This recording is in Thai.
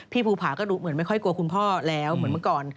ภูผาก็ดูเหมือนไม่ค่อยกลัวคุณพ่อแล้วเหมือนเมื่อก่อน